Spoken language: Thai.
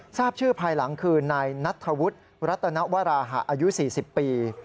ทราบชื่อภายหลังคือนายนัทธวุฒิรัตนวราหะอายุ๔๐ปี